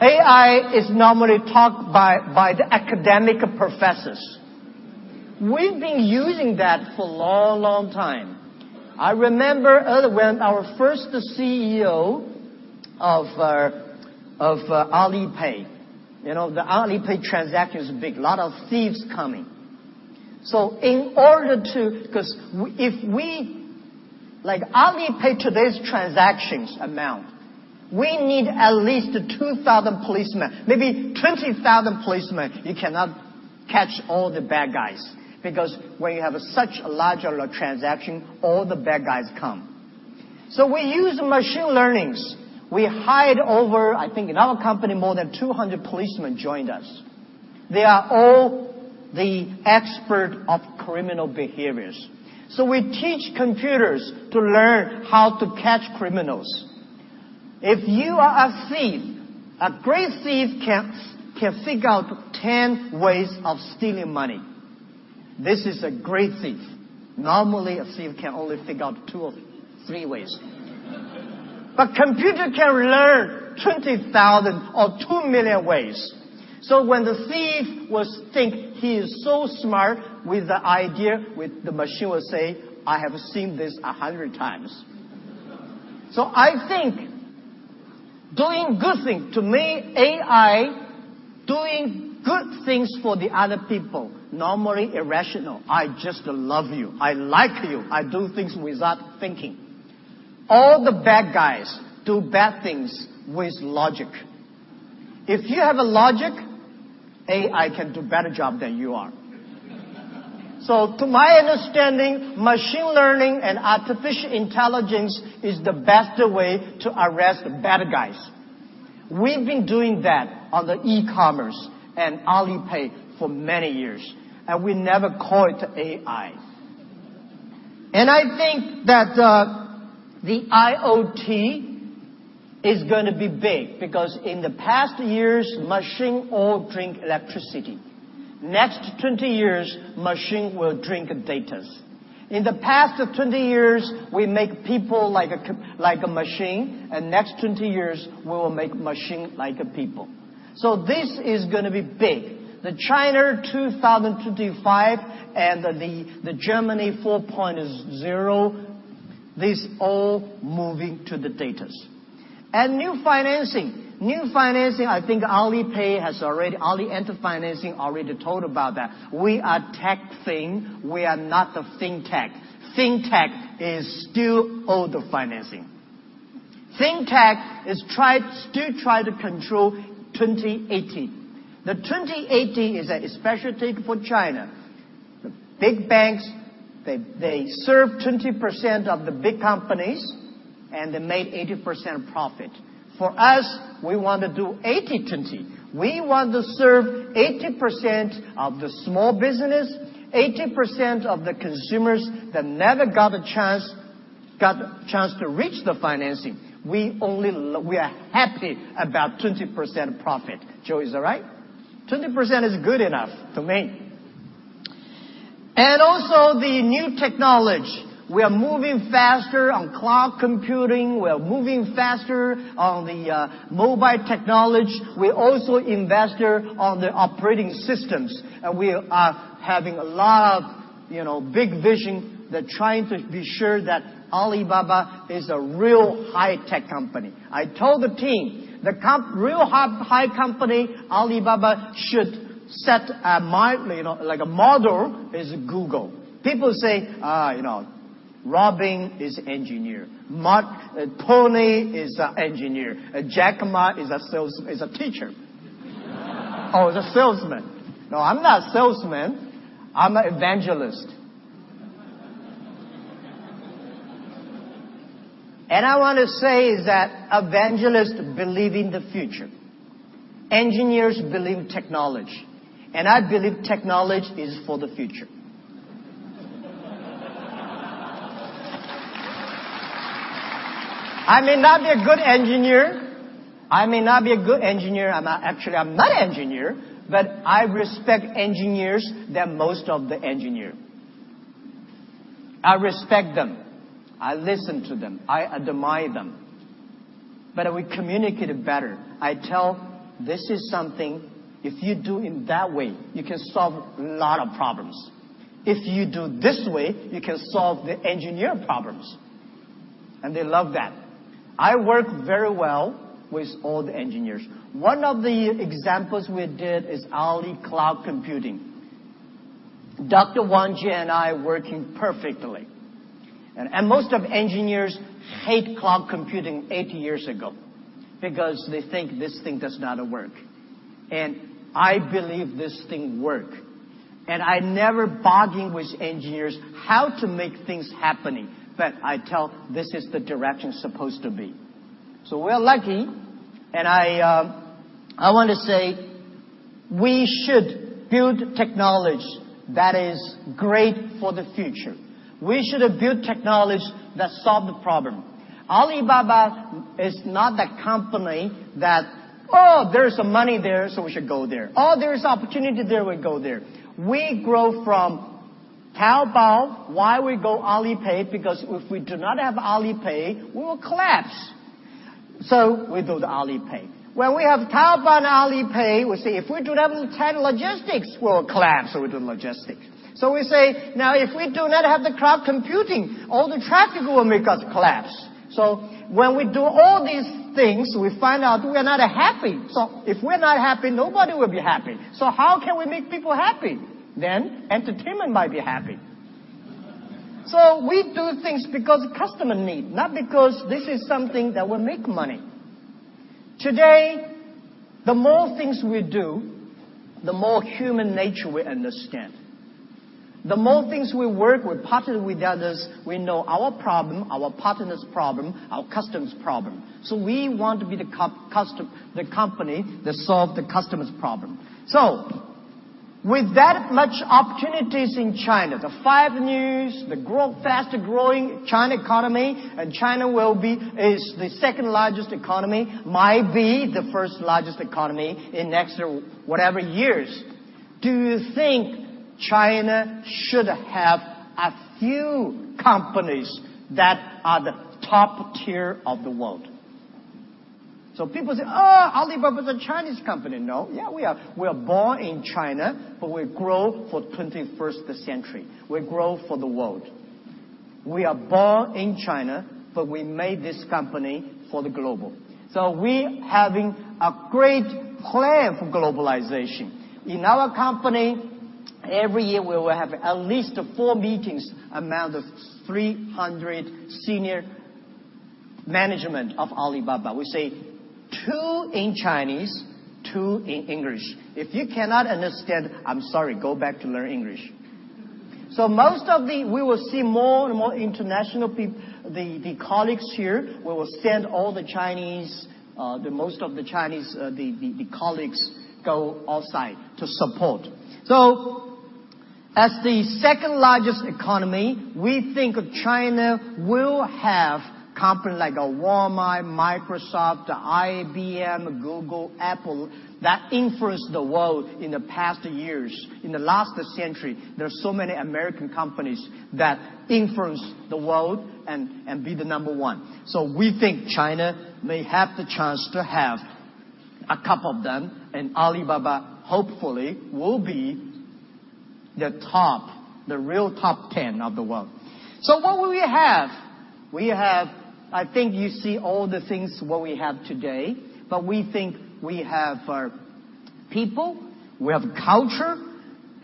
AI is normally talked by the academic professors. We've been using that for long, long time. I remember when our first CEO of Alipay. You know, the Alipay transaction's big. Lot of thieves coming. In order to 'Cause if we, like Alipay today's transactions amount, we need at least 2,000 policemen, maybe 20,000 policemen. You cannot catch all the bad guys, because when you have such a large transaction, all the bad guys come. We use machine learnings. We hired over, I think in our company, more than 200 policemen joined us. They are all the expert of criminal behaviors. We teach computers to learn how to catch criminals. If you are a thief, a great thief can figure out 10 ways of stealing money. This is a great thief. Normally, a thief can only figure out two or three ways. Computer can learn 20,000 or 2 million ways. When the thief was think he is so smart with the idea, the machine will say, I have seen this 100 times. I think doing good thing, to me, AI doing good things for the other people. Normally irrational. I just love you. I like you. I do things without thinking. All the bad guys do bad things with logic. If you have a logic, AI can do better job than you are. To my understanding, machine learning and artificial intelligence is the better way to arrest bad guys. We've been doing that on the e-commerce and Alipay for many years, and we never call it AI. I think that the IoT. It's gonna be big because in the past years, machine all drink electricity. Next 20 years, machine will drink datas. In the past 20 years, we make people like a machine, and next 20 years, we will make machine like a people. This is gonna be big. The Made in China 2025 and the Industry 4.0, this all moving to the datas. New Finance. New Finance, I think Alipay has already Ant Financial already told about that. We are TechFin, we are not the FinTech. FinTech is still old financing. FinTech still try to control 20/80. The 20/80 is a special date for China. Big banks, they serve 20% of the big companies, and they made 80% profit. For us, we want to do 80/20. We want to serve 80% of the small business, 80% of the consumers that never got a chance to reach the financing. We are happy about 20% profit. Joe, is that right? 20% is good enough to me. Also, the New Technology. We are moving faster on cloud computing. We are moving faster on the mobile technology. We also invest on the operating systems, and we are having a lot of, you know, big vision that trying to be sure that Alibaba is a real high-tech company. I told the team, the company, Alibaba, should set a model. You know, like a model is Google. People say, you know, Robin is engineer. Pony is a engineer. Jack Ma is a teacher. Is a salesman. No, I'm not a salesman. I'm a evangelist. I want to say is that evangelists believe in the future. Engineers believe in technology. I believe technology is for the future. I may not be a good engineer. I may not be a good engineer. I'm actually, I'm not a engineer, but I respect engineers than most of the engineer. I respect them. I listen to them. I admire them. We communicated better. I tell, This is something, if you do in that way, you can solve lot of problems. If you do this way, you can solve the engineer problems. They love that. I work very well with all the engineers. One of the examples we did is Ali Cloud Computing. Dr. Wang Jian and I working perfectly. Most of engineers hate Cloud Computing 18 years ago because they think this thing does not work. I believe this thing work. I never barging with engineers how to make things happening, but I tell, this is the direction supposed to be. We're lucky, and I want to say, we should build technology that is great for the future. We should build technology that solve the problem. Alibaba is not the company that, there's some money there, so we should go there. There's opportunity there. We go there. We grow from Taobao. Why we go Alipay? If we do not have Alipay, we will collapse. We do the Alipay. When we have Taobao and Alipay, we say, If we do not have Cainiao Logistics, we'll collapse, so we do logistics. We say, now, if we do not have the cloud computing, all the traffic will make us collapse. When we do all these things, we find out we are not happy. If we're not happy, nobody will be happy. How can we make people happy? Entertainment might be happy. We do things because customer need, not because this is something that will make money. Today, the more things we do, the more human nature we understand. The more things we work with partner with others, we know our problem, our partner's problem, our customer's problem. We want to be the customer- the company that solve the customer's problem. With that much opportunities in China, the Five New, the grow fast growing China economy, and China will be, is the second-largest economy, might be the first-largest economy in next, whatever years. Do you think China should have a few companies that are the top tier of the world? People say, Oh, Alibaba's a Chinese company. No. Yeah, we are, we are born in China, but we're grow for 21st century. We grow for the world. We are born in China, but we made this company for the global. We having a great plan for globalization. In our company, every year, we will have at least four meetings amount of 300 senior management of Alibaba. We say two in Chinese, two in English. If you cannot understand, I'm sorry, go back to learn English. We will see more and more international colleagues here. We will send all the Chinese colleagues go outside to support. As the second largest economy, we think China will have company like Walmart, Microsoft, IBM, Google, Apple, that influence the world in the past years. In the last century, there are so many American companies that influence the world and be the number one. We think China may have the chance to have a couple of them, and Alibaba hopefully will be the real top ten of the world. What will we have? You see all the things what we have today. We think we have our people, we have culture,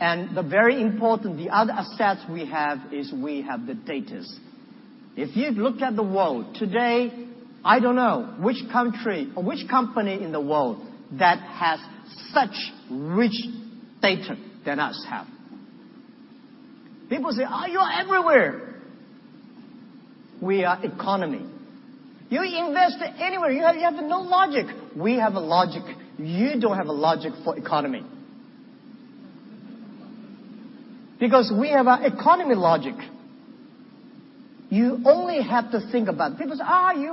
and the very important, the other assets we have is we have the data. If you look at the world today, I don't know which country or which company in the world that has such rich data than us have. People say, you are everywhere. We are economy. You invest anywhere. You have no logic. We have a logic. You don't have a logic for economy. Because we have an economy logic. You only have to think about People say, you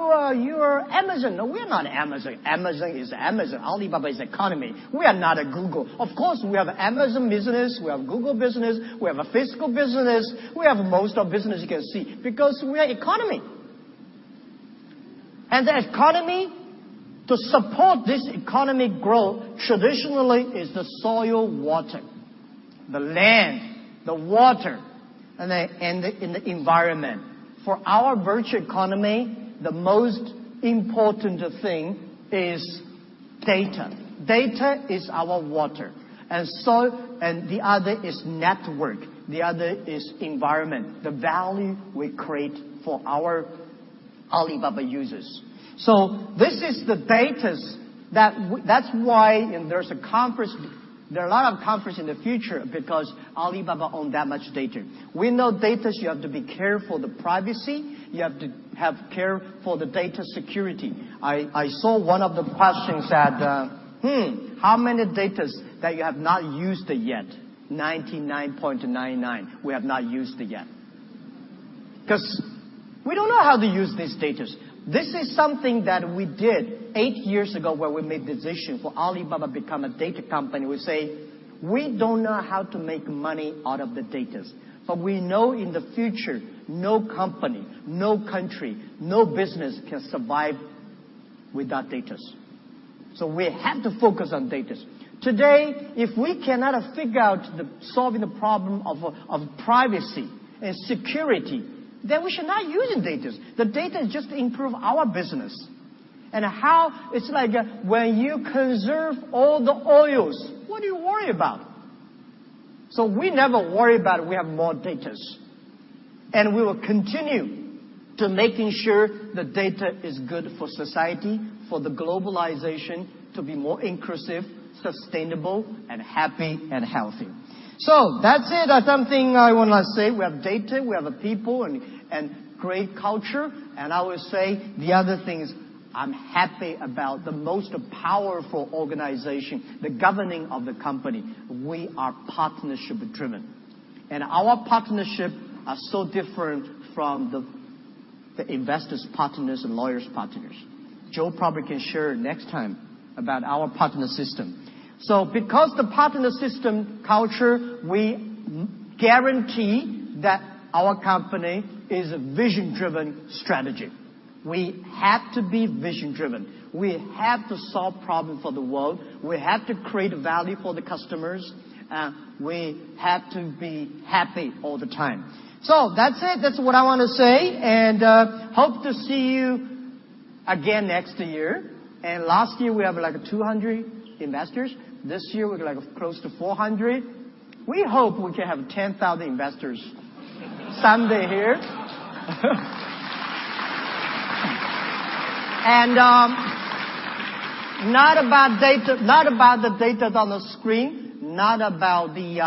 are Amazon. No, we are not Amazon. Amazon is Amazon. Alibaba is economy. We are not a Google. Of course, we have Amazon business. We have Google business. We have a physical business. We have most of business you can see because we are economy. The economy, to support this economy growth traditionally is the soil, water. The land, the water, and the environment. For our virtual economy, the most important thing is data. Data is our water and soil. The other is network. The other is environment. The value we create for our Alibaba users. This is the datas that's why, there's a conference. There are a lot of conference in the future because Alibaba own that much data. We know datas, you have to be careful the privacy. You have to have care for the data security. I saw one of the questions that, how many datas that you have not used yet? 99.99 we have not used yet. 'Cause we don't know how to use these datas. This is something that we did eight years ago, where we made decision for Alibaba become a data company. We say, we don't know how to make money out of the data, we know in the future, no company, no country, no business can survive without data. We have to focus on data. Today, if we cannot figure out the solving the problem of privacy and security, we should not using data. The data just improve our business. How? It's like when you conserve all the oil, what do you worry about? We never worry about we have more data. We will continue to making sure the data is good for society, for the globalization to be more inclusive, sustainable, and happy and healthy. That's it. Something I wanna say, we have data, we have a people, and great culture. I will say the other thing is I'm happy about the most powerful organization, the governing of the company. We are partnership-driven. Our partnership are so different from the investors partners and lawyers partners. Joe probably can share next time about our partner system. Because the partner system culture, we guarantee that our company is a vision-driven strategy. We have to be vision-driven. We have to solve problem for the world. We have to create value for the customers. We have to be happy all the time. That's it. That's what I wanna say. Hope to see you again next year. Last year, we have, like, 200 investors. This year, we have, like, close to 400. We hope we can have 10,000 investors someday here. Not about data, not about the data on the screen, not about the,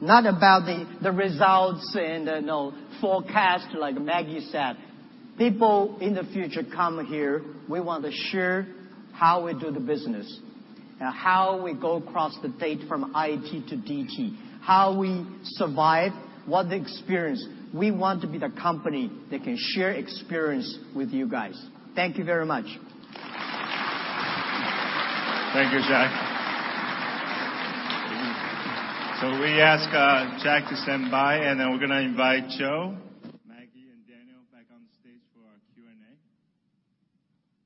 not about the results and, you know, forecast, like Maggie said. People in the future come here, we want to share how we do the business and how we go across the data from IT to DT, how we survive, what the experience. We want to be the company that can share experience with you guys. Thank you very much. Thank you, Jack. We ask Jack to stand by, and then we're gonna invite Joe, Maggie, and Daniel back on the stage for our Q&A.